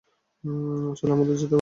চল, আমাদের যেতে হবে।